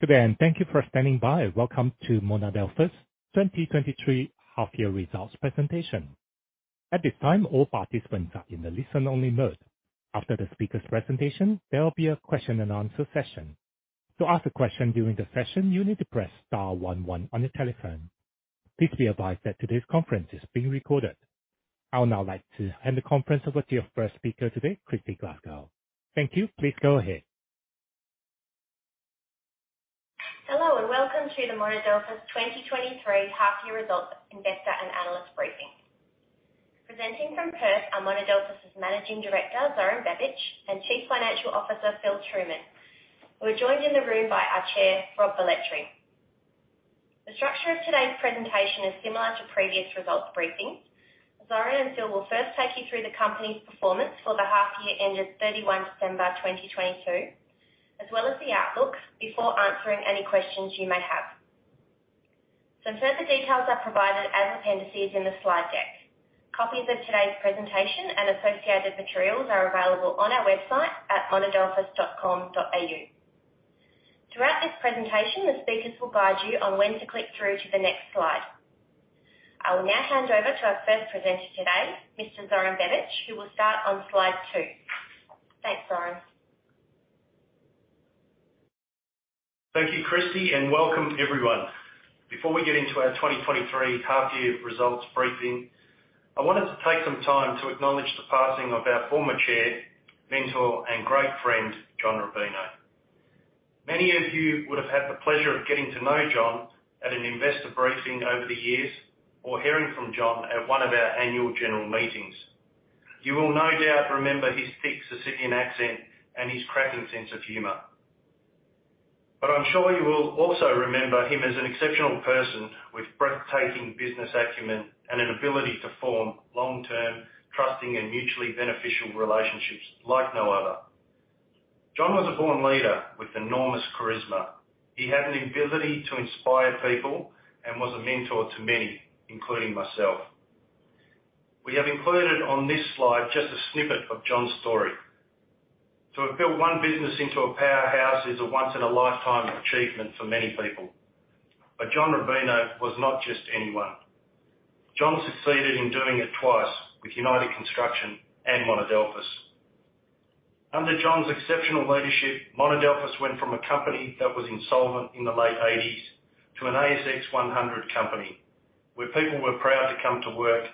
Good day. Thank you for standing by. Welcome to Monadelphous' 2023 half year results presentation. At this time, all participants are in the listen only mode. After the speaker's presentation, there'll be a question and answer session. To ask a question during the session, you need to press star one one on your telephone. Please be advised that today's conference is being recorded. I'll now like to hand the conference over to your first speaker today, Kristy Glasgow. Thank you. Please go ahead. Hello, and welcome to the Monadelphous 2023 half year results investor and analyst briefing. Presenting from Perth are Monadelphous' Managing Director, Zoran Bebic, and Chief Financial Officer, Philip Trueman. We're joined in the room by our Chair, Rob Velletri. The structure of today's presentation is similar to previous results briefings. Zoran and Phil will first take you through the company's performance for the half year ended 31 December 2022, as well as the outlook before answering any questions you may have. Some further details are provided as appendices in the slide deck. Copies of today's presentation and associated materials are available on our website at monadelphous.com.au. Throughout this presentation, the speakers will guide you on when to click through to the next slide. I will now hand over to our first presenter today, Mr. Zoran Bebic, who will start on Slide 2. Thanks, Zoran. Thank you, Kristy, and welcome everyone. Before we get into our 2023 half year results briefing, I wanted to take some time to acknowledge the passing of our former Chair, mentor, and great friend, John Rubino. Many of you would have had the pleasure of getting to know John at an investor briefing over the years or hearing from John at one of our annual general meetings. You will no doubt remember his thick Sicilian accent and his cracking sense of humor. I'm sure you will also remember him as an exceptional person with breathtaking business acumen and an ability to form long-term trusting and mutually beneficial relationships like no other. John was a born leader with enormous charisma. He had an ability to inspire people and was a mentor to many, including myself. We have included on this slide just a snippet of John's story. To have built one business into a powerhouse is a once in a lifetime achievement for many people. John Rubino was not just anyone. John succeeded in doing it twice with United Construction and Monadelphous. Under John's exceptional leadership, Monadelphous went from a company that was insolvent in the late eighties to an ASX 100 company, where people were proud to come to work,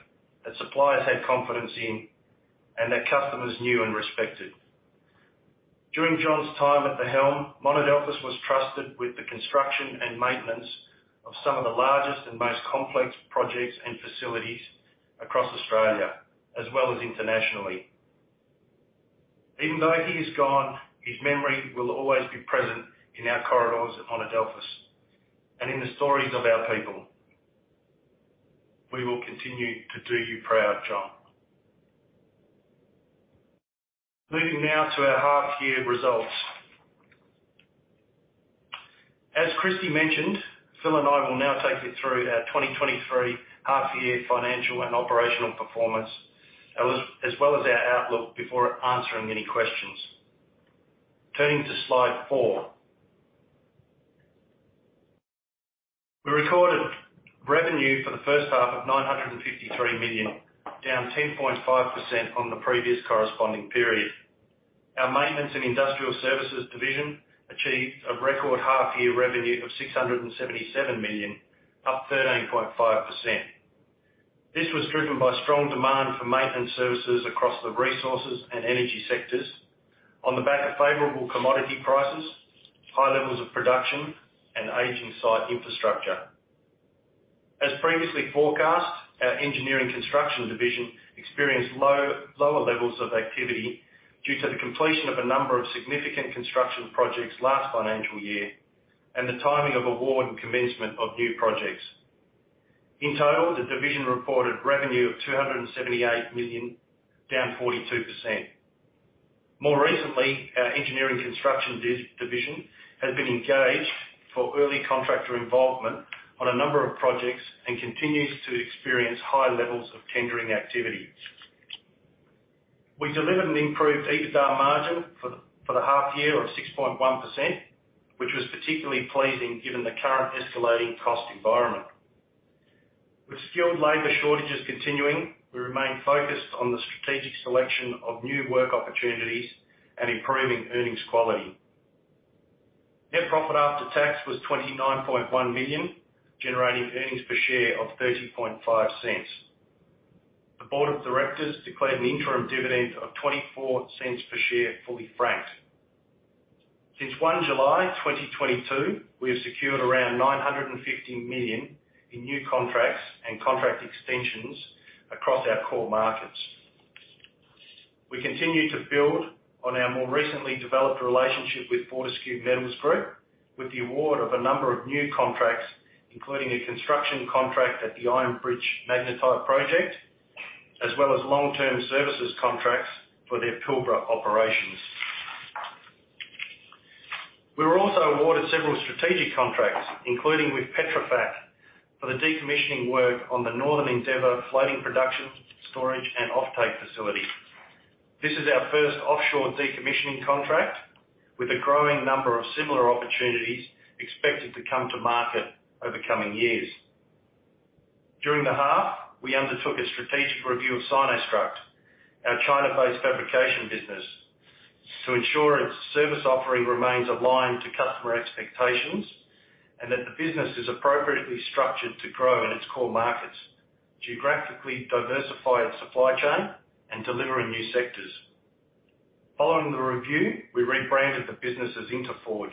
that suppliers had confidence in, and that customers knew and respected. During John's time at the helm, Monadelphous was trusted with the construction and maintenance of some of the largest and most complex projects and facilities across Australia as well as internationally. Even though he is gone, his memory will always be present in our corridors at Monadelphous and in the stories of our people. We will continue to do you proud, John. Moving now to our half-year results. As Kristy mentioned, Phil and I will now take you through our 2023 half year financial and operational performance, as well as our outlook before answering any questions. Turning to Slide 4. We recorded revenue for the first half of 953 million, down 10.5% from the previous corresponding period. Our maintenance and industrial services division achieved a record half year revenue of 677 million, up 13.5%. This was driven by strong demand for maintenance services across the resources and energy sectors on the back of favorable commodity prices, high levels of production, and aging site infrastructure. As previously forecast, our engineering construction division experienced lower levels of activity due to the completion of a number of significant construction projects last financial year and the timing of award and commencement of new projects. In total, the division reported revenue of 278 million, down 42%. More recently, our engineering construction division has been engaged for early contractor involvement on a number of projects and continues to experience high levels of tendering activity. We delivered an improved EBITDA margin for the half year of 6.1%, which was particularly pleasing given the current escalating cost environment. With skilled labor shortages continuing, we remain focused on the strategic selection of new work opportunities and improving earnings quality. Net profit after tax was 29.1 million, generating earnings per share of 0.305. The board of directors declared an interim dividend of 0.24 per share, fully franked. Since 1 July 2022, we have secured around 950 million in new contracts and contract extensions across our core markets. We continue to build on our more recently developed relationship with Fortescue Metals Group with the award of a number of new contracts, including a construction contract at the Iron Bridge Magnetite project, as well as long-term services contracts for their Pilbara operations. We were also awarded several strategic contracts, including with Petrofac, for the decommissioning work on the Northern Endeavor floating production, storage, and offtake facility. This is our first offshore decommissioning contract with a growing number of similar opportunities expected to come to market over coming years. During the half, we undertook a strategic review of SinoStruct, our China-based fabrication business, to ensure its service offering remains aligned to customer expectations and that the business is appropriately structured to grow in its core markets, geographically diversify its supply chain and deliver in new sectors. Following the review, we rebranded the business as Inteforge.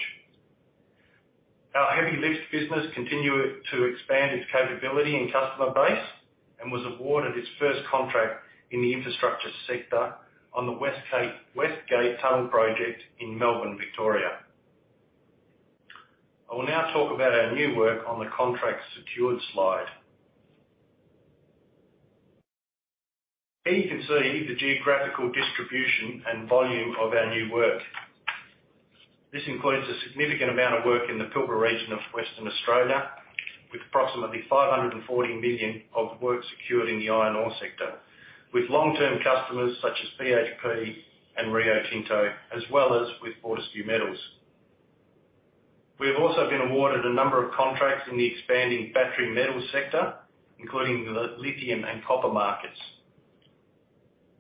Our heavy lifts business continued to expand its capability and customer base and was awarded its first contract in the infrastructure sector on the West Gate Tunnel Project in Melbourne, Victoria. I will now talk about our new work on the contracts secured slide. Here you can see the geographical distribution and volume of our new work. This includes a significant amount of work in the Pilbara region of Western Australia, with approximately 540 million of work secured in the iron ore sector with long-term customers such as BHP and Rio Tinto, as well as with Fortescue Metals. We have also been awarded a number of contracts in the expanding battery metal sector, including the lithium and copper markets.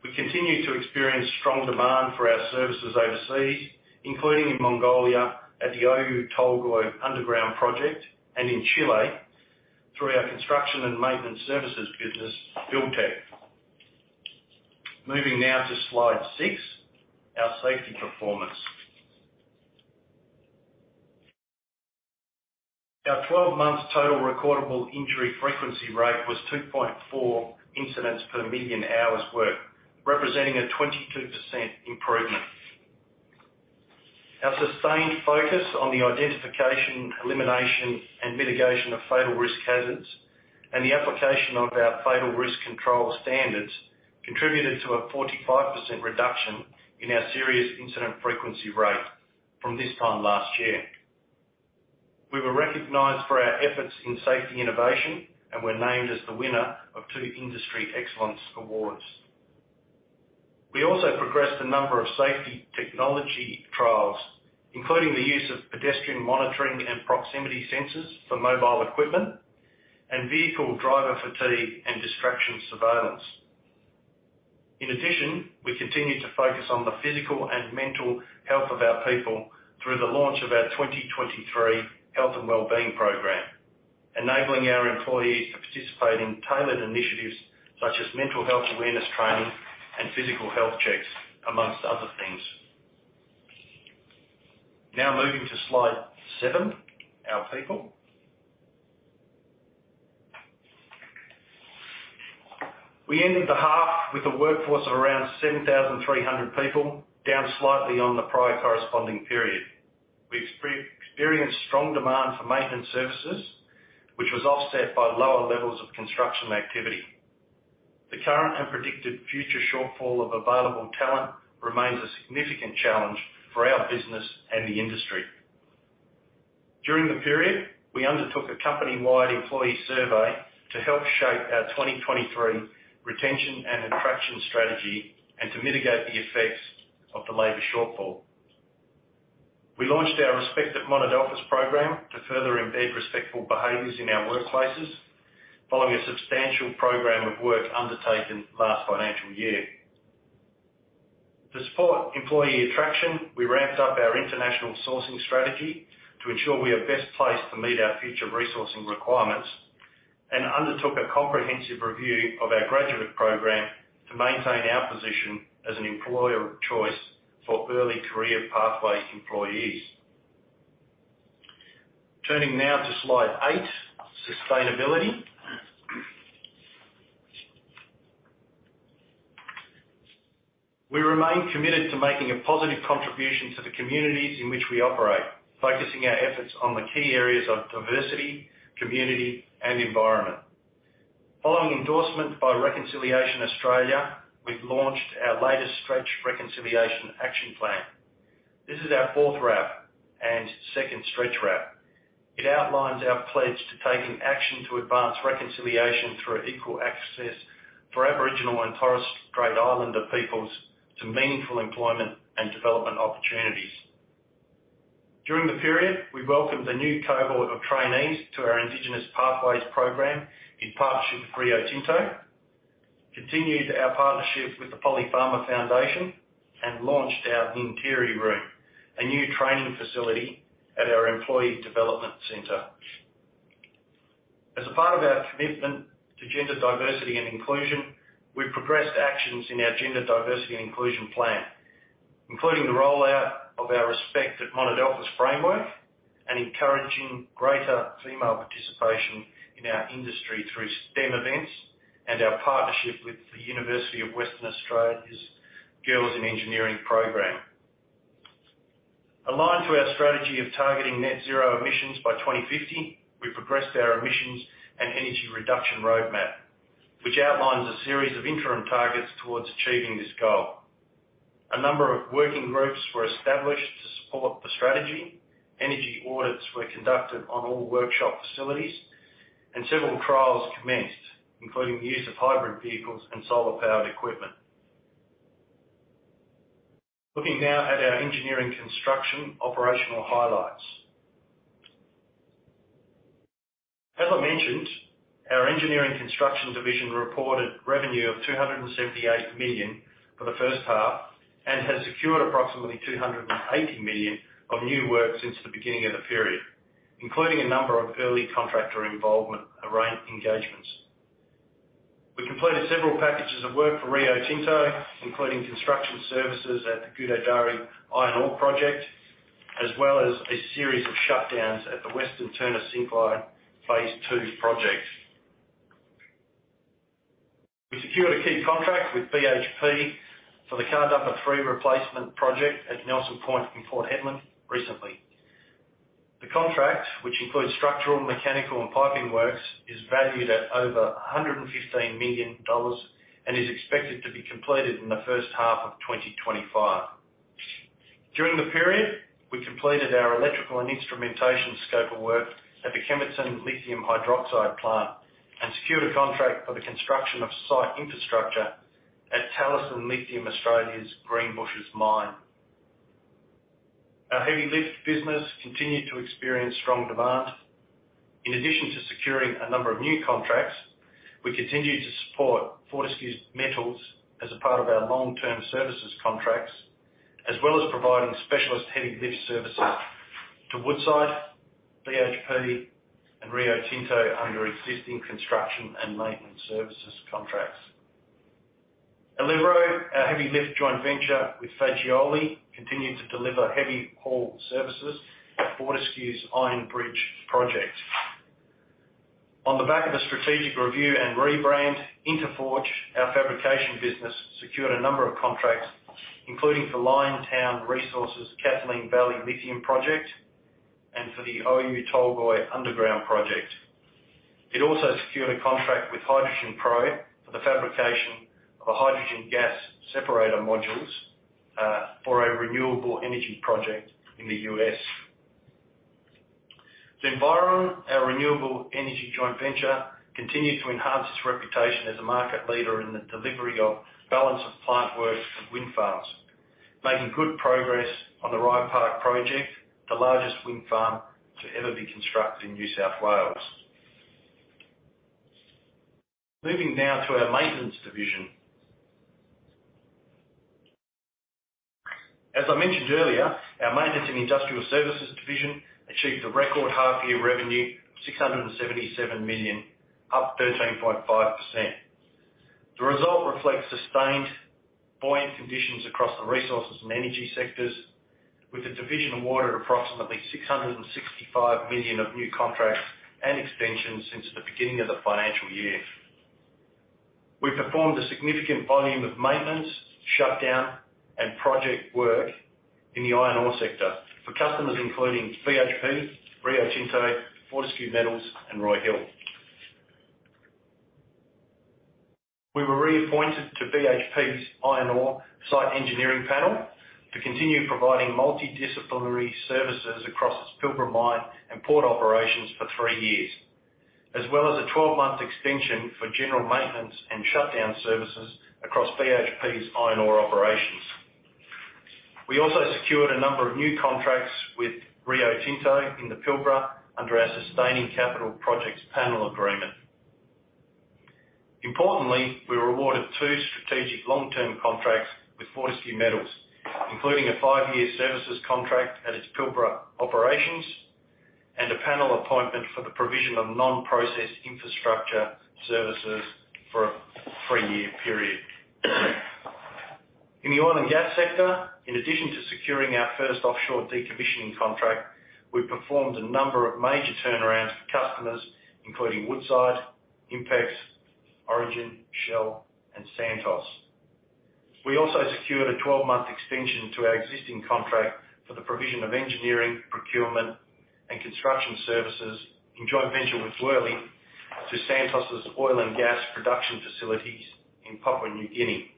We continue to experience strong demand for our services overseas, including in Mongolia at the Oyu Tolgoi underground project and in Chile through our construction and maintenance services business, Buildtek. Moving now to Slide 6. Our safety performance. Our 12-month total recordable injury frequency rate was 2.4 incidents per million hours worked, representing a 22% improvement. Our sustained focus on the identification, elimination and mitigation of fatal risk hazards and the application of our fatal risk control standards contributed to a 45% reduction in our serious incident frequency rate from this time last year. We were recognized for our efforts in safety innovation and were named as the winner of two Industry Excellence awards. We also progressed a number of safety technology trials, including the use of pedestrian monitoring and proximity sensors for mobile equipment and vehicle driver fatigue and distraction surveillance. In addition, we continue to focus on the physical and mental health of our people through the launch of our 2023 health and wellbeing program, enabling our employees to participate in tailored initiatives such as mental health awareness training and physical health checks, amongst other things. Moving to Slide 7. Our people. We ended the half with a workforce of around 7,300 people, down slightly on the prior corresponding period. We experienced strong demand for maintenance services, which was offset by lower levels of construction activity. The current and predicted future shortfall of available talent remains a significant challenge for our business and the industry. During the period, we undertook a company-wide employee survey to help shape our 2023 retention and attraction strategy and to mitigate the effects of the labor shortfall. We launched our Respect at Monadelphous program to further embed respectful behaviors in our workplaces following a substantial program of work undertaken last financial year. To support employee attraction, we ramped up our international sourcing strategy to ensure we are best placed to meet our future resourcing requirements and undertook a comprehensive review of our graduate program to maintain our position as an employer of choice for early career pathway employees. Turning now to Slide 8, sustainability. We remain committed to making a positive contribution to the communities in which we operate, focusing our efforts on the key areas of diversity, community and environment. Following endorsement by Reconciliation Australia, we've launched our latest stretch reconciliation action plan. This is our fourth RAP and second stretch RAP. It outlines our pledge to taking action to advance reconciliation through equal access for Aboriginal and Torres Strait Islander peoples to meaningful employment and development opportunities. During the period, we welcomed a new cohort of trainees to our Indigenous Pathways program in partnership with Rio Tinto, continued our partnership with the Polly Farmer Foundation and launched our Ngaangkrl Room, a new training facility at our employee development center. As a part of our commitment to gender diversity and inclusion, we've progressed actions in our gender diversity and inclusion plan, including the rollout of our Respect at Monadelphous framework and encouraging greater female participation in our industry through STEM events and our partnership with the University of Western Australia's Girls in Engineering program. Aligned to our strategy of targeting net zero emissions by 2050, we progressed our emissions and energy reduction roadmap, which outlines a series of interim targets towards achieving this goal. A number of working groups were established to support the strategy. Energy audits were conducted on all workshop facilities and several trials commenced, including use of hybrid vehicles and solar powered equipment. Looking now at our engineering construction operational highlights. As I mentioned, our engineering construction division reported revenue of 278 million for the first half and has secured approximately 280 million of new work since the beginning of the period, including a number of early contractor involvement arraign engagements. We completed several packages of work for Rio Tinto, including construction services at the Gudai-Darri Iron Ore Project, as well as a series of shutdowns at the Western Turner Syncline Phase 2 Project. We secured a key contract with BHP for the Car Dumper three replacement project at Nelson Point in Port Hedland recently. The contract, which includes structural, mechanical and piping works, is valued at over 115 million dollars and is expected to be completed in the first half of 2025. During the period, we completed our electrical and instrumentation scope of work at the Chemours lithium hydroxide plant and secured a contract for the construction of site infrastructure at Talison Lithium Australia's Greenbushes mine. Our heavy lift business continued to experience strong demand. We continued to support Fortescue Metals as a part of our long term services contracts, as well as providing specialist heavy lift services to Woodside, BHP and Rio Tinto under existing construction and maintenance services contracts. Alevro, our heavy lift joint venture with Fagioli, continued to deliver heavy haul services for Fortescue's Iron Bridge project. On the back of a strategic review and rebrand, Inteforge, our fabrication business, secured a number of contracts, including for Liontown Resources' Kathleen Valley lithium project and for the Oyu Tolgoi Underground project. It also secured a contract with HydrogenPro for the fabrication of hydrogen gas separator modules for a renewable energy project in the U.S. Zenviron, our renewable energy joint venture, continued to enhance its reputation as a market leader in the delivery of balance of plant work for wind farms, making good progress on the Rye Park project, the largest wind farm to ever be constructed in New South Wales. Moving now to our maintenance division. As I mentioned earlier, our maintenance and industrial services division achieved a record half year revenue of 677 million, up 13.5%. The result reflects sustained buoyant conditions across the resources and energy sectors, with the division awarded approximately 665 million of new contracts and extensions since the beginning of the financial year. We performed a significant volume of maintenance, shutdown and project work in the iron ore sector for customers including BHP, Rio Tinto, Fortescue Metals and Roy Hill. We were reappointed to BHP's Iron Ore Site Engineering Panel to continue providing multidisciplinary services across its Pilbara mine and port operations for three years, as well as a 12-month extension for general maintenance and shutdown services across BHP's iron ore operations. We also secured a number of new contracts with Rio Tinto in the Pilbara under our Sustaining Capital Projects panel agreement. Importantly, we were awarded two strategic long term contracts with Fortescue Metals, including a five-year services contract at its Pilbara operations and a panel appointment for the provision of non-processed infrastructure services for a three-year period. In the oil and gas sector, in addition to securing our first offshore decommissioning contract, we performed a number of major turnarounds for customers including Woodside, INPEX, Origin, Shell and Santos. We also secured a 12-month extension to our existing contract for the provision of engineering, procurement and construction services in joint venture with Worley to Santos' oil and gas production facilities in Papua New Guinea.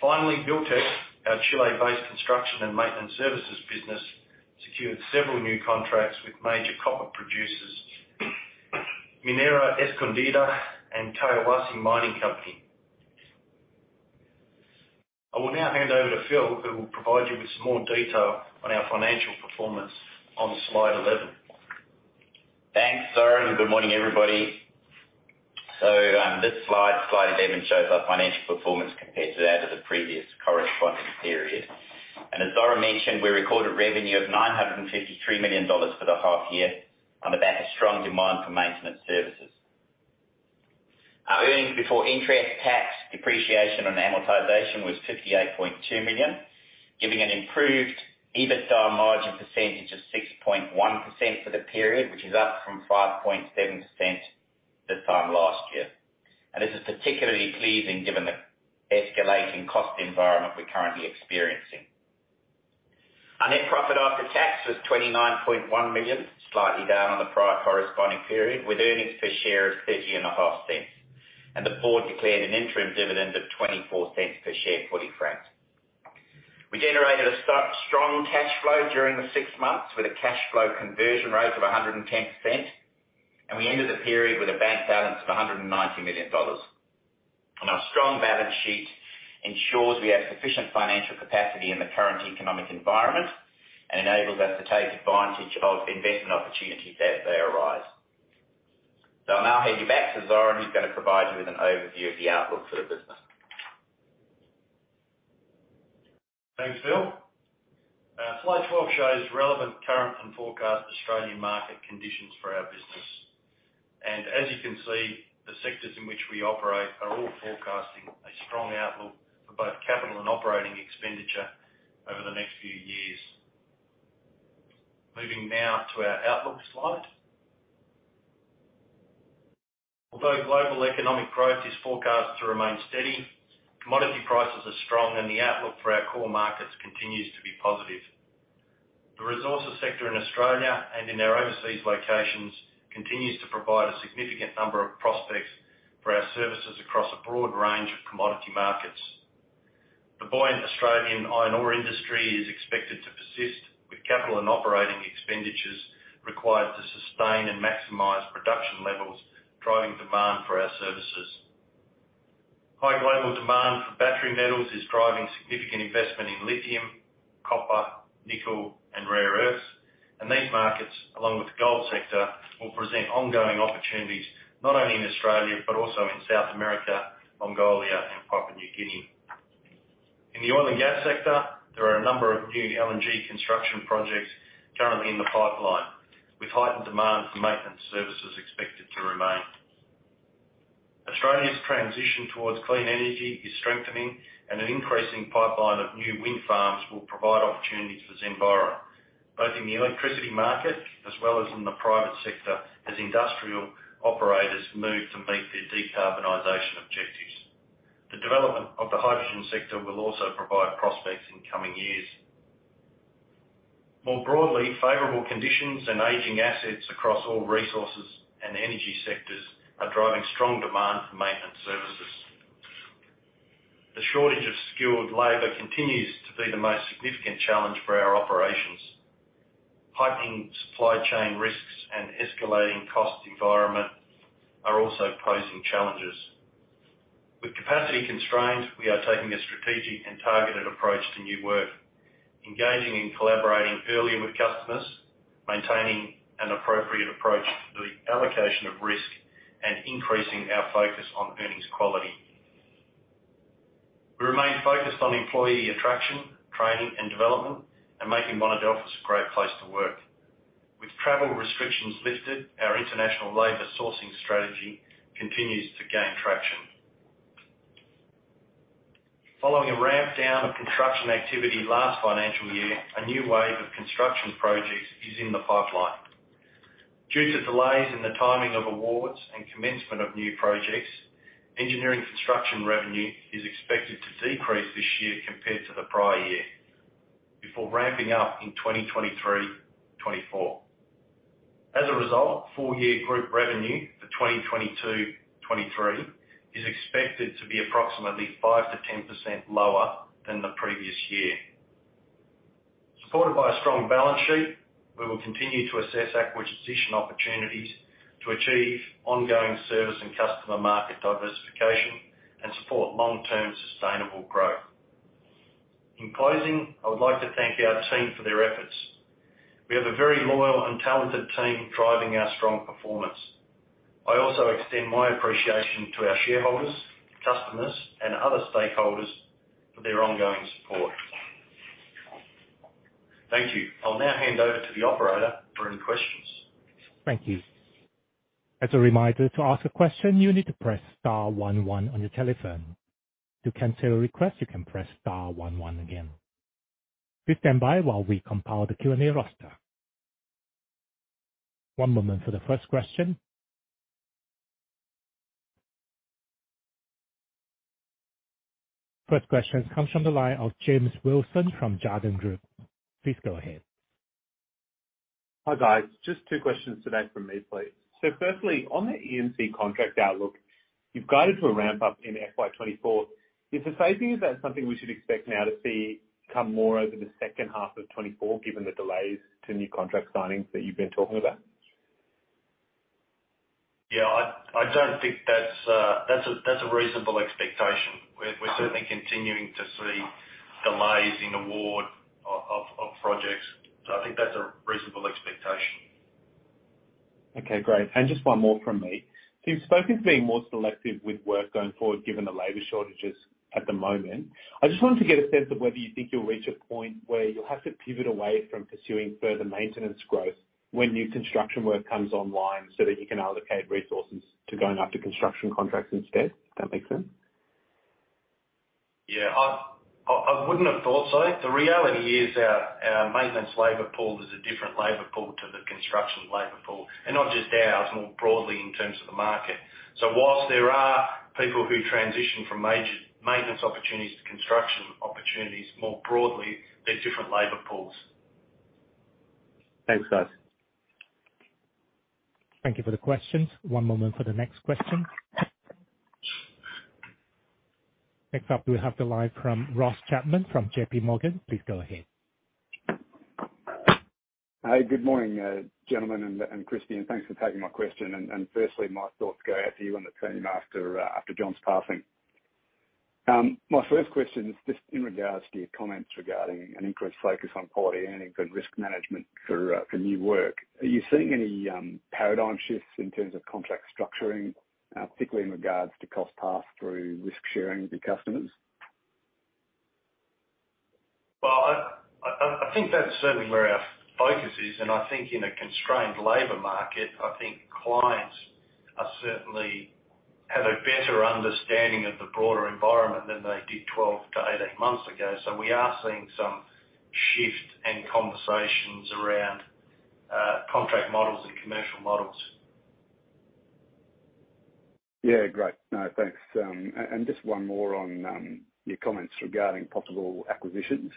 Finally, Buildtek, our Chile-based construction and maintenance services business, secured several new contracts with major copper producers Minera Escondida and Teck Resources. I will now hand over to Phil, who will provide you with some more detail on our financial performance on Slide 11. Thanks, Zoran, good morning, everybody. This Slide 11, shows our financial performance compared to that of the previous corresponding period. As Zoran mentioned, we recorded revenue of 953 million dollars for the half year on the back of strong demand for maintenance services. Our earnings before interest, tax, depreciation and amortization was 58.2 million, giving an improved EBITDA margin percentage of 6.1% for the period, which is up from 5.7% this time last year. This is particularly pleasing given the escalating cost environment we're currently experiencing. Our net profit after tax was 29.1 million, slightly down on the prior corresponding period, with earnings per share of 0.305. The board declared an interim dividend of 0.24 per share, fully franked. We generated a strong cash flow during the six months, with a cash flow conversion rate of 110%. We ended the period with a bank balance of 190 million dollars. Our strong balance sheet ensures we have sufficient financial capacity in the current economic environment and enables us to take advantage of investment opportunities as they arise. I'll now hand you back to Zoran, who's gonna provide you with an overview of the outlook for the business. Thanks, Phil. Slide 12 shows relevant current and forecast Australian market conditions for our business. As you can see, the sectors in which we operate are all forecasting a strong outlook for both capital and operating expenditure over the next few years. Moving now to our outlook slide. Although global economic growth is forecast to remain steady, commodity prices are strong and the outlook for our core markets continues to be positive. The resources sector in Australia and in our overseas locations continues to provide a significant number of prospects for our services across a broad range of commodity markets. The buoyant Australian iron ore industry is expected to persist, with capital and operating expenditures required to sustain and maximize production levels, driving demand for our services. High global demand for battery metals is driving significant investment in lithium, copper, nickel and rare earths. These markets, along with the gold sector, will present ongoing opportunities, not only in Australia but also in South America, Mongolia and Papua New Guinea. In the oil and gas sector, there are a number of new LNG construction projects currently in the pipeline, with heightened demand for maintenance services expected to remain. Australia's transition towards clean energy is strengthening, an increasing pipeline of new wind farms will provide opportunities for Zenviron, both in the electricity market as well as in the private sector as industrial operators move to meet their decarbonization objectives. The development of the hydrogen sector will also provide prospects in coming years. More broadly, favorable conditions and aging assets across all resources and energy sectors are driving strong demand for maintenance services. The shortage of skilled labor continues to be the most significant challenge for our operations. Heightened supply chain risks and escalating cost environment are also posing challenges. With capacity constraints, we are taking a strategic and targeted approach to new work, engaging and collaborating earlier with customers, maintaining an appropriate approach to the allocation of risk and increasing our focus on earnings quality. We remain focused on employee attraction, training and development and making Monadelphous a great place to work. With travel restrictions lifted, our international labor sourcing strategy continues to gain traction. Following a ramp down of construction activity last financial year, a new wave of construction projects is in the pipeline. Due to delays in the timing of awards and commencement of new projects, engineering construction revenue is expected to decrease this year compared to the prior year, before ramping up in 2023-2024. As a result, full year group revenue for 2022/2023 is expected to be approximately 5%-10% lower than the previous year. Supported by a strong balance sheet, we will continue to assess acquisition opportunities to achieve ongoing service and customer market diversification and support long-term sustainable growth. In closing, I would like to thank our team for their efforts. We have a very loyal and talented team driving our strong performance. I also extend my appreciation to our shareholders, customers and other stakeholders for their ongoing support. Thank you. I'll now hand over to the operator for any questions. Thank you. As a reminder, to ask a question, you need to press star one one on your telephone. To cancel a request, you can press star one one again. Please stand by while we compile the Q&A roster. One moment for the first question. First question comes from the line of James Wilson from Jarden Group. Please go ahead. Hi, guys. Just two questions today from me, please. Firstly, on the E&C contract outlook, you've guided to a ramp up in FY 2024. Is that something we should expect now to see come more over the second half of 2024, given the delays to new contract signings that you've been talking about? I don't think that's a reasonable expectation. We're certainly continuing to see delays in award of projects. I think that's a reasonable expectation. Okay, great. Just one more from me. You've spoken to being more selective with work going forward given the labor shortages at the moment. I just wanted to get a sense of whether you think you'll reach a point where you'll have to pivot away from pursuing further maintenance growth when new construction work comes online, so that you can allocate resources to going after construction contracts instead. Does that make sense? Yeah, I wouldn't have thought so. The reality is our maintenance labor pool is a different labor pool to the construction labor pool. Not just ours, more broadly in terms of the market. Whilst there are people who transition from maintenance opportunities to construction opportunities more broadly, they're different labor pools. Thanks, guys. Thank you for the questions. One moment for the next question. Next up, we have the line from Ross Chapman from JPMorgan. Please go ahead. Hi, good morning, gentlemen and Kristy, thanks for taking my question. Firstly, my thoughts go out to you and the team after John's passing. My first question is just in regards to your comments regarding an increased focus on quality and in good risk management for new work. Are you seeing any paradigm shifts in terms of contract structuring, particularly in regards to cost pass through risk sharing with your customers? I think that's certainly where our focus is. I think in a constrained labor market, I think clients are certainly have a better understanding of the broader environment than they did 12 to 18 months ago. We are seeing some shift and conversations around contract models and commercial models. Yeah, great. No, thanks. Just one more on your comments regarding possible acquisitions.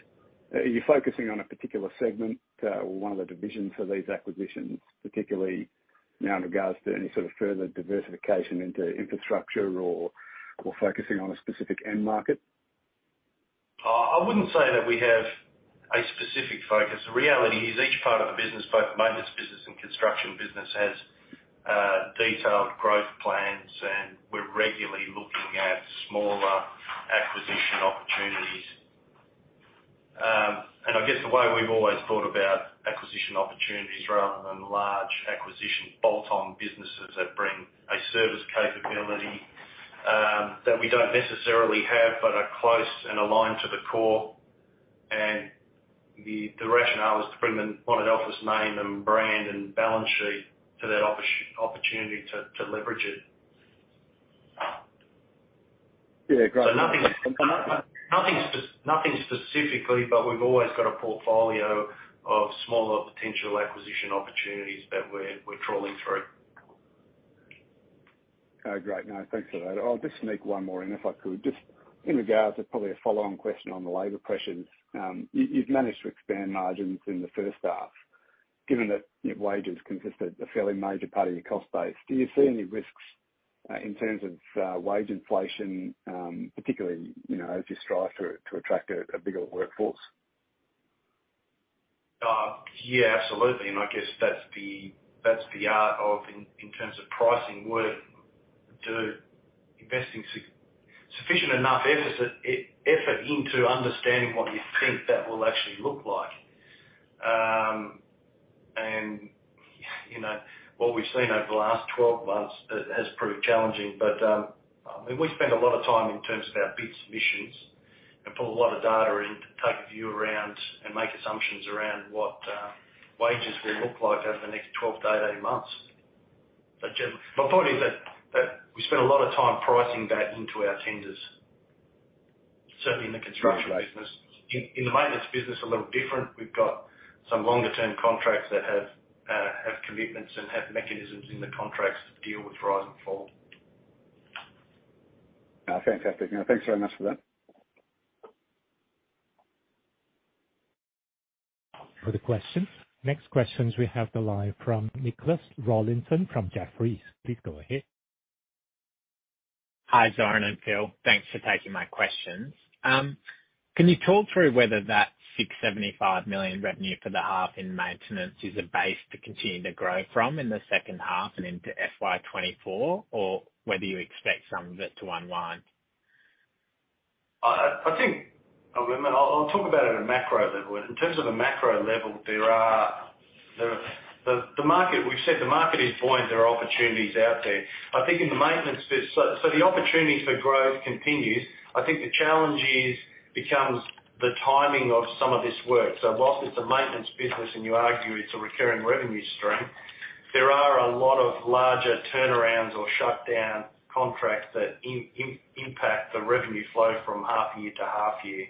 Are you focusing on a particular segment or one of the divisions for these acquisitions, particularly now in regards to any sort of further diversification into infrastructure or focusing on a specific end market? I wouldn't say that we have a specific focus. The reality is each part of the business, both maintenance business and construction business, has detailed growth plans, and we're regularly looking at smaller acquisition opportunities. I guess the way we've always thought about acquisition opportunities rather than large acquisition bolt-on businesses that bring a service capability that we don't necessarily have, but are close and aligned to the core. The rationale is to bring the Monadelphous name and brand and balance sheet to that opportunity to leverage it. Yeah, great. Nothing specifically, but we've always got a portfolio of smaller potential acquisition opportunities that we're trawling through. Okay, great. No, thanks for that. I'll just sneak one more in if I could. Just in regards to probably a follow-on question on the labor question. You've managed to expand margins in the first half, given that your wages consist a fairly major part of your cost base. Do you see any risks in terms of wage inflation, particularly, you know, as you strive to attract a bigger workforce? Yeah, absolutely. I guess that's the art of in terms of pricing work to investing sufficient enough emphasis, effort into understanding what you think that will actually look like. You know, what we've seen over the last 12 months has proved challenging. I mean, we spend a lot of time in terms of our bid submissions and pull a lot of data in to take a view around and make assumptions around what wages will look like over the next 12 to 18 months. My point is that we spend a lot of time pricing that into our tenders, certainly in the construction business. In the maintenance business, a little different. We've got some longer term contracts that have commitments and have mechanisms in the contracts to deal with rise and fall. Fantastic. No, thanks very much for that. For the questions. Next questions we have the line from Nicholas Rawlinson from Jefferies. Please go ahead. Hi, Zoran and Phil. Thanks for taking my questions. Can you talk through whether that 675 million revenue for the half in maintenance is a base to continue to grow from in the second half and into FY 2024, or whether you expect some of it to unwind? I think, I mean, I'll talk about it at a macro level. In terms of the macro level, there are, the market we've said the market is buoyant, there are opportunities out there. I think in the maintenance biz. The opportunities for growth continues. I think the challenge is, becomes the timing of some of this work. Whilst it's a maintenance business, and you argue it's a recurring revenue stream, there are a lot of larger turnarounds or shutdown contracts that impact the revenue flow from half year to half year.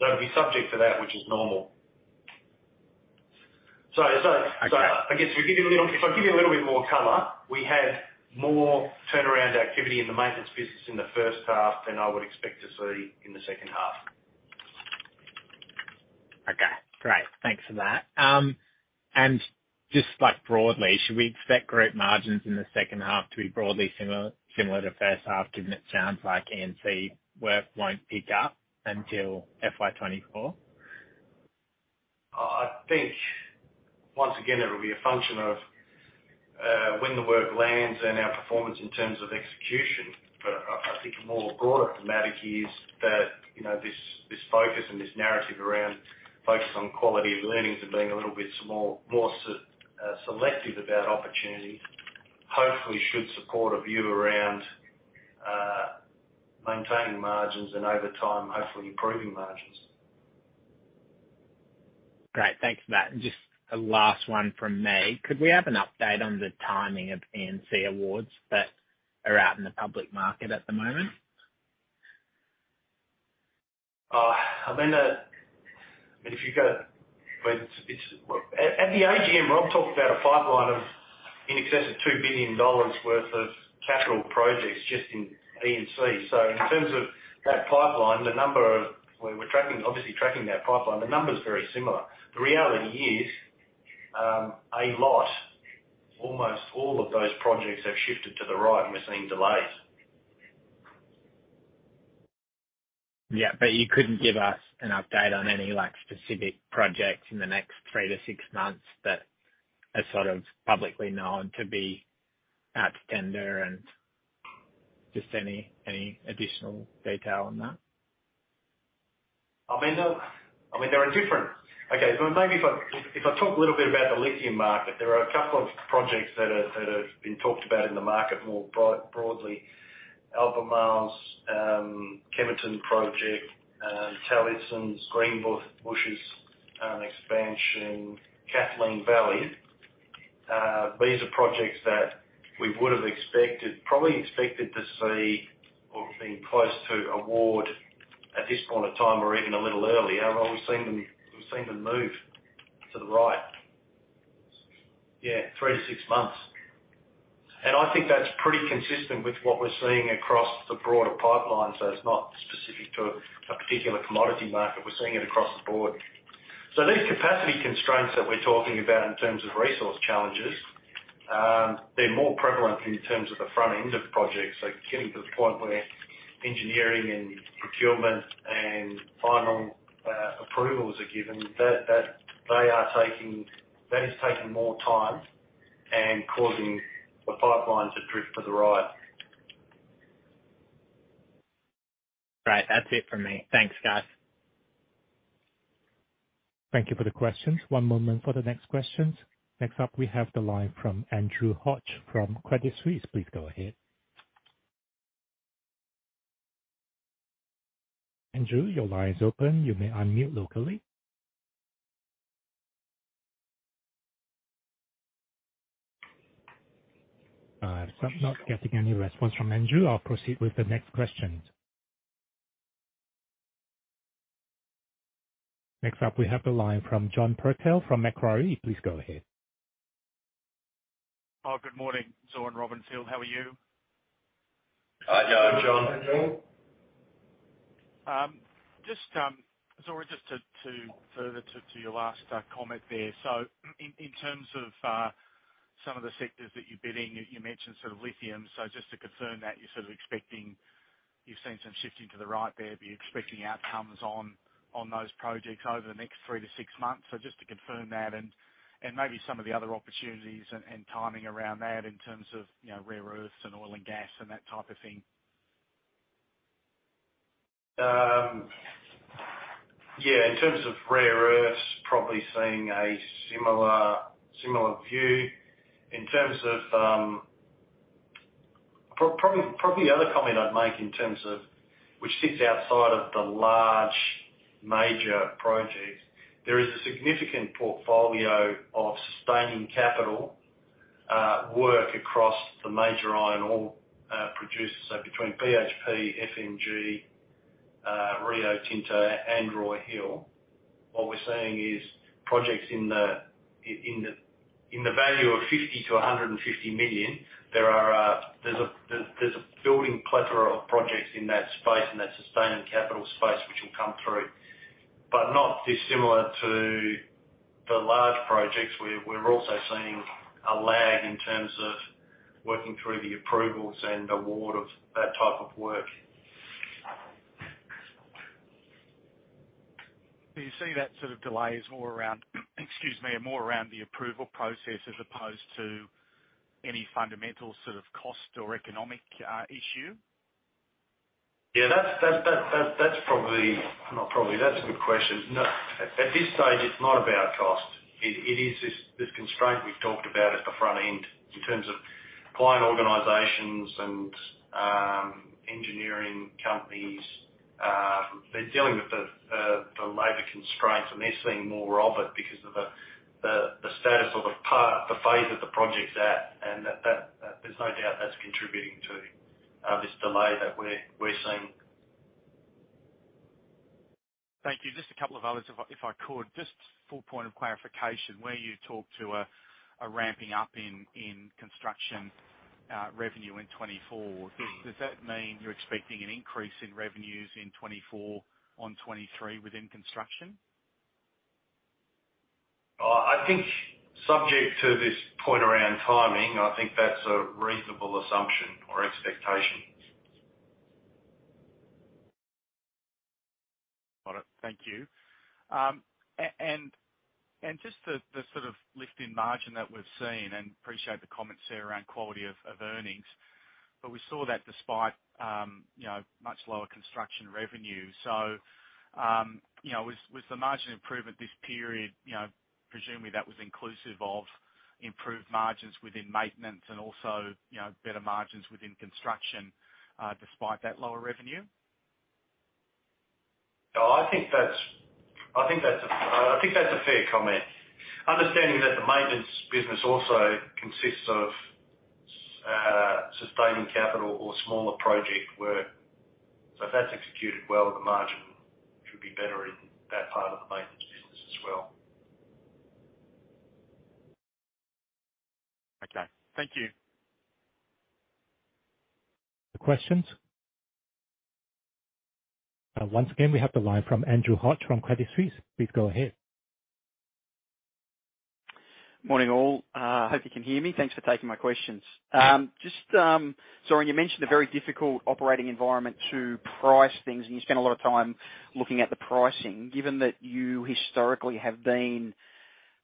That'll be subject to that which is normal. I guess we give you a little, if I give you a little bit more color, we had more turnaround activity in the maintenance business in the first half than I would expect to see in the second half. Okay, great. Thanks for that. Just like broadly, should we expect group margins in the second half to be broadly similar to first half, given it sounds like E&C work won't pick up until FY 2024? I think once again it will be a function of, when the work lands and our performance in terms of execution. I think a more broader thematic is that, you know, this focus and this narrative around focus on quality of learnings and being a little bit small, more selective about opportunity, hopefully should support a view around maintaining margins and over time, hopefully improving margins. Great. Thanks for that. Just a last one from me. Could we have an update on the timing of E&C awards that are out in the public market at the moment? I mean, it's at the AGM, Rob talked about a pipeline of in excess of 2 billion dollars worth of capital projects just in E&C. In terms of that pipeline, we're tracking, obviously tracking that pipeline, the number's very similar. The reality is, almost all of those projects have shifted to the right and we're seeing delays. Yeah. You couldn't give us an update on any like specific projects in the next three to six months that are sort of publicly known to be out to tender and just any additional detail on that? there are different... maybe if I talk a little bit about the lithium market, there are a couple of projects that have been talked about in the market more broadly. Albemarle's Kemerton project, Talison's Greenbushes expansion, Kathleen Valley. These are projects that we would have probably expected to see or been close to award at this point in time or even a little earlier. We're seeing them move to the right. Three to six months. I think that's pretty consistent with what we're seeing across the broader pipeline. It's not specific to a particular commodity market. We're seeing it across the board. These capacity constraints that we're talking about in terms of resource challenges, they're more prevalent in terms of the front end of projects. Getting to the point where engineering and procurement and final approvals are given, that is taking more time and causing the pipeline to drift to the right. Great. That's it from me. Thanks, guys. Thank you for the questions. One moment for the next questions. Next u`p, we have the line from Andrew Hodge from Credit Suisse. Please go ahead. Andrew, your line is open. You may unmute locally. As I'm not getting any response from Andrew, I'll proceed with the next question. Next up, we have the line from John Purtell from Macquarie. Please go ahead. Oh, good morning, Zoran Bebic. How are you? Hi, John. John. Just Zoran, just further to your last comment there. In terms of some of the sectors that you're bidding, you mentioned sort of lithium. Just to confirm that you're sort of expecting. You've seen some shifting to the right there, but you're expecting outcomes on those projects over the next three to six months. Just to confirm that and maybe some of the other opportunities and timing around that in terms of, you know, rare earths and oil and gas and that type of thing. Yeah, in terms of rare earths, probably seeing a similar view. In terms of, probably the other comment I'd make in terms of which sits outside of the large major projects, there is a significant portfolio of sustaining capital work across the major iron ore producers. Between BHP, FMG, Rio Tinto and Roy Hill, what we're seeing is projects in the value of 50 million-150 million. There's a building plethora of projects in that space, in that sustaining capital space, which will come through. Not dissimilar to the large projects, we're also seeing a lag in terms of working through the approvals and award of that type of work. Do you see that sort of delay is more around excuse me, more around the approval process as opposed to any fundamental sort of cost or economic issue? Yeah, that's probably... Not probably. That's a good question. No. At this stage, it's not about cost. It is this constraint we've talked about at the front end in terms of client organizations and engineering companies. They're dealing with the labor constraints, and they're seeing more of it because of the status or the phase that the project's at. There's no doubt that's contributing to this delay that we're seeing. Thank you. Just a couple of others if I could. Just for point of clarification, where you talk to a ramping up in construction revenue in 2024. Mm-hmm. Does that mean you're expecting an increase in revenues in 2024 on 2023 within construction? I think subject to this point around timing, I think that's a reasonable assumption or expectation. Got it. Thank you. Just the sort of lift in margin that we've seen, and appreciate the comments there around quality of earnings, but we saw that despite, you know, much lower construction revenue. You know, with the margin improvement this period, you know, presumably that was inclusive of improved margins within maintenance and also, you know, better margins within construction, despite that lower revenue. No, I think that's a fair comment. Understanding that the maintenance business also consists of Sustaining capital or smaller project work. If that's executed well, the margin should be better in that part of the maintenance business as well. Okay. Thank you. Questions? Once again, we have the line from Andrew Hodge from Credit Suisse. Please go ahead. Morning, all. Hope you can hear me. Thanks for taking my questions. You mentioned a very difficult operating environment to price things, and you spent a lot of time looking at the pricing. Given that you historically have been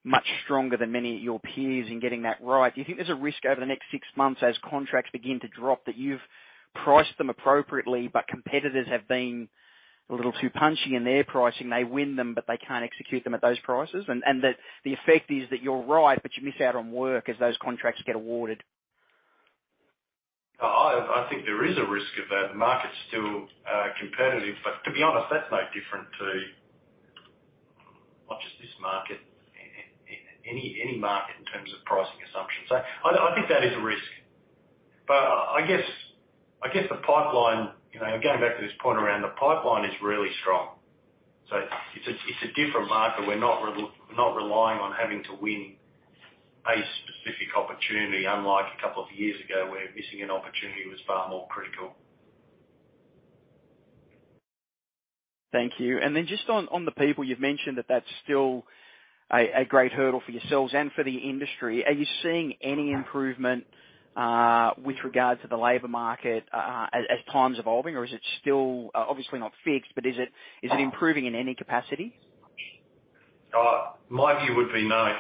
much stronger than many of your peers in getting that right, do you think there's a risk over the next six months as contracts begin to drop, that you've priced them appropriately but competitors have been a little too punchy in their pricing? They win them, but they can't execute them at those prices. That the effect is that you're right, but you miss out on work as those contracts get awarded. I think there is a risk of that. The market's still competitive, to be honest, that's no different to not just this market, any market in terms of pricing assumptions. I think that is a risk. I guess the pipeline, you know, going back to this point around the pipeline is really strong. It's a different market. We're not relying on having to win a specific opportunity, unlike a couple of years ago, where missing an opportunity was far more critical. Thank you. Then just on the people, you've mentioned that that's still a great hurdle for yourselves and for the industry. Are you seeing any improvement with regards to the labor market as time's evolving, or is it still obviously not fixed, but is it improving in any capacity? My view would be no.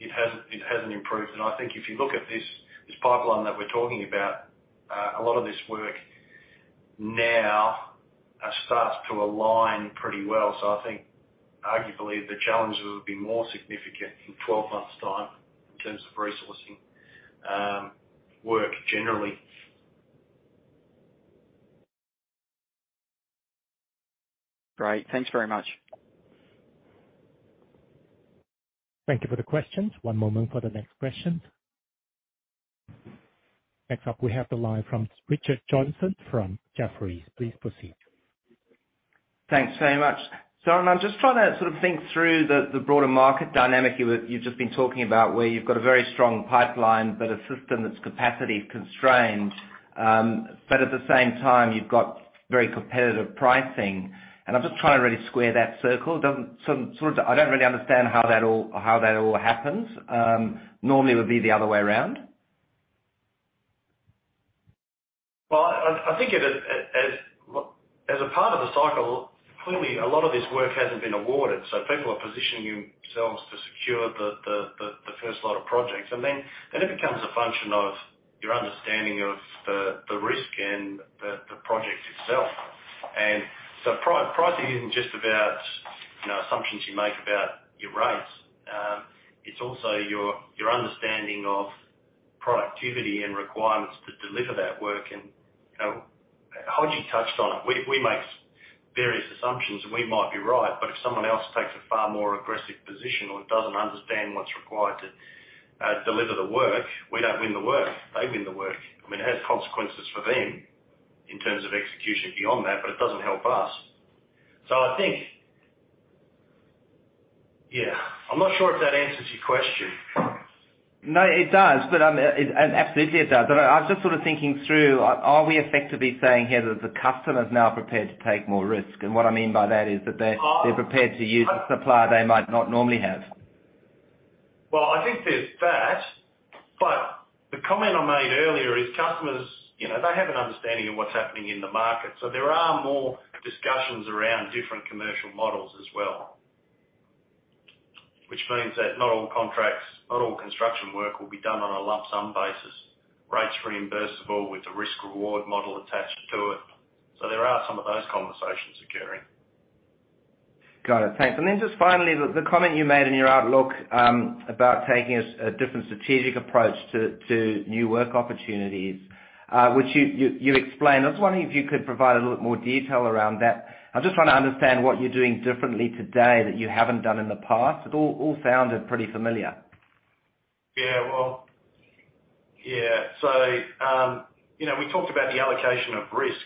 It hasn't improved. I think if you look at this pipeline that we're talking about, a lot of this work now starts to align pretty well. I think arguably the challenge will be more significant in 12 months' time in terms of resourcing, work generally. Great. Thanks very much. Thank you for the questions. One moment for the next question. Next up, we have the line from Richard Johnson from Jefferies. Please proceed. Thanks very much. I'm just trying to sort of think through the broader market dynamic you've just been talking about, where you've got a very strong pipeline but a system that's capacity constrained. At the same time, you've got very competitive pricing. I'm just trying to really square that circle. I don't really understand how that all happens. Normally it would be the other way around. Well, I think it is as a part of the cycle, clearly a lot of this work hasn't been awarded, so people are positioning themselves to secure the first lot of projects. It becomes a function of your understanding of the risk and the project itself. Pricing isn't just about, you know, assumptions you make about your rates. It's also your understanding of productivity and requirements to deliver that work. You know, Hodge touched on it. We make various assumptions, and we might be right, but if someone else takes a far more aggressive position or doesn't understand what's required to deliver the work, we don't win the work. They win the work. I mean, it has consequences for them in terms of execution beyond that, but it doesn't help us. I think... Yeah. I'm not sure if that answers your question. No, it does. Absolutely it does. I was just sort of thinking through, are we effectively saying here that the customer's now prepared to take more risk? What I mean by that is that. Oh. They're prepared to use a supplier they might not normally have. Well, I think there's that, but the comment I made earlier is customers, you know, they have an understanding of what's happening in the market. There are more discussions around different commercial models as well. Which means that not all contracts, not all construction work will be done on a lump sum basis. Rates reimbursable with the risk reward model attached to it. There are some of those conversations occurring. Got it. Thanks. Then just finally, the comment you made in your outlook about taking a different strategic approach to new work opportunities, which you explained. I was wondering if you could provide a little more detail around that. I just wanna understand what you're doing differently today that you haven't done in the past. It all sounded pretty familiar. Yeah. Well, yeah. You know, we talked about the allocation of risk.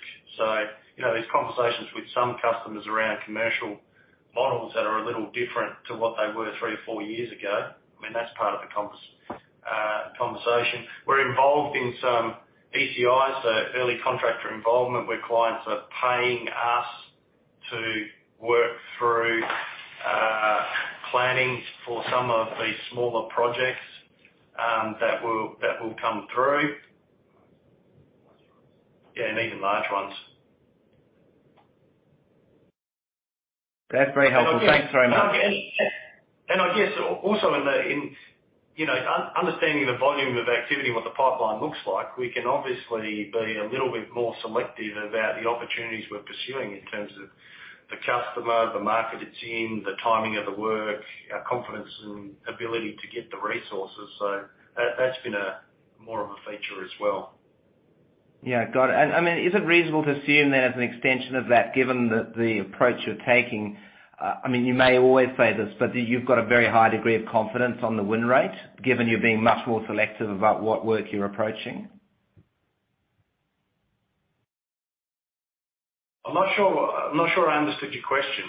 You know, there's conversations with some customers around commercial models that are a little different to what they were three or four years ago. I mean, that's part of the conversation. We're involved in some ECIs, so early contractor involvement, where clients are paying us to work through planning for some of these smaller projects that will come through. Yeah, even large ones. That's very helpful. I guess. Thanks very much. I guess also in the, you know, understanding the volume of activity and what the pipeline looks like, we can obviously be a little bit more selective about the opportunities we're pursuing in terms of the customer, the market it's in, the timing of the work, our confidence and ability to get the resources. That's been more of a feature as well. Yeah. Got it. I mean, is it reasonable to assume that as an extension of that, given the approach you're taking, I mean, you may always say this, but that you've got a very high degree of confidence on the win rate, given you're being much more selective about what work you're approaching? I'm not sure, I'm not sure I understood your question.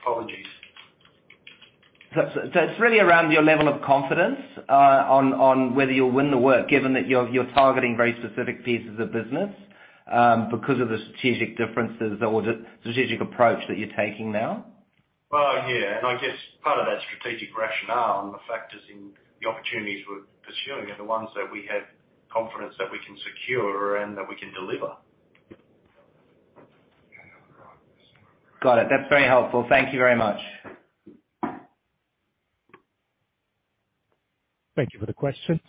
Apologies. It's really around your level of confidence, on whether you'll win the work, given that you're targeting very specific pieces of business, because of the strategic differences or the strategic approach that you're taking now. Well, yeah. I guess part of that strategic rationale and the factors in the opportunities we're pursuing are the ones that we have confidence that we can secure and that we can deliver. Got it. That's very helpful. Thank you very much. Thank you for the questions.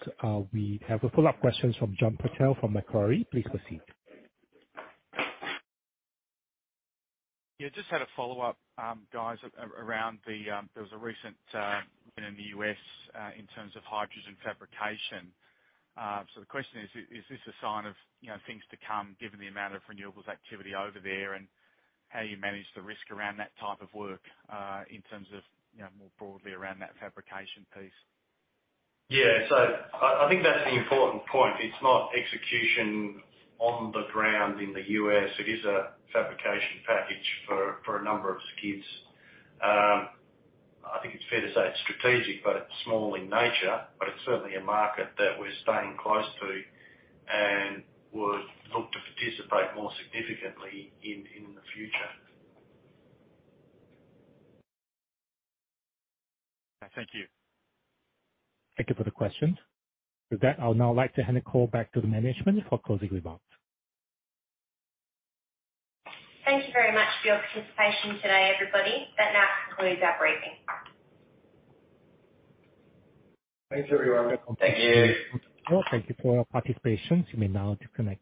We have a follow-up questions from John Purtell from Macquarie. Please proceed. Yeah, just had a follow-up, guys, around the... There was a recent win in the U.S. in terms of hydrogen fabrication. The question is: Is this a sign of, you know, things to come, given the amount of renewables activity over there, and how you manage the risk around that type of work, in terms of, you know, more broadly around that fabrication piece? Yeah. I think that's the important point. It's not execution on the ground in the U.S. It is a fabrication package for a number of skids. I think it's fair to say it's strategic, but it's small in nature, but it's certainly a market that we're staying close to and would look to participate more significantly in the future. Thank you. Thank you for the question. With that, I would now like to hand the call back to the management for closing remarks. Thank you very much for your participation today, everybody. That now concludes our briefing. Thanks, everyone. Thank you. Thank you for your participation. You may now disconnect.